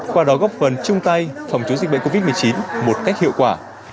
qua đó góp phần chung tay phòng chống dịch bệnh covid một mươi chín một cách hiệu quả